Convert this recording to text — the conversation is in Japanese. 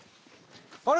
あれ？